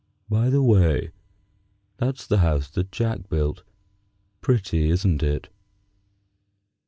By the way, that's the house that Jack built. Pretty, isn't it?"